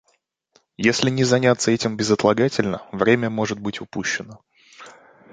Если не заняться этим безотлагательно, время может быть упущено.